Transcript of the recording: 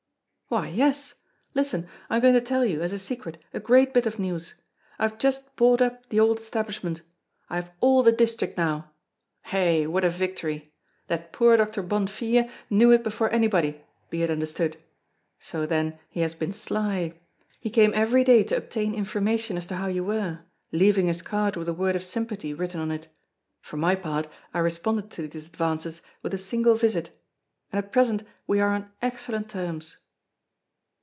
"Why, yes! Listen! I am going to tell you, as a secret, a great bit of news. I have just bought up the old establishment. I have all the district now. Hey! what a victory. That poor Doctor Bonnefille knew it before anybody, be it understood. So then he has been sly. He came every day to obtain information as to how you were, leaving his card with a word of sympathy written on it. For my part, I responded to these advances with a single visit; and at present we are on excellent terms."